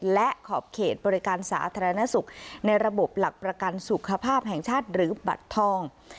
และขอบเขตบริการสาธารณสุขในระบบหลักประกันสุขภาพแห่งชาติหรือบัตรทอง